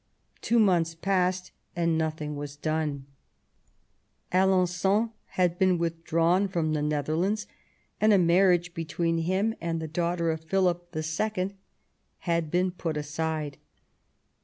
Two months passed, and nothing was done. Alen9on had been withdrawn from the Netherlands, and a marriage between him and the daughter of Philip II. had been put aside.